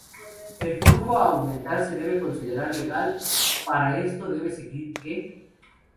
El flujo a aumentar se debe considerar legal, para esto debe seguir que.